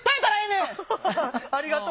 ありがとう。